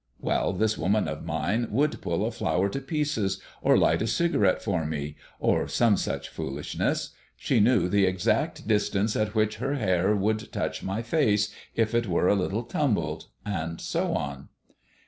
Well, this woman of mine would pull a flower to pieces, or light a cigarette for me, or some such foolishness. She knew the exact distance at which her hair would touch my face if it were a little tumbled. And so on."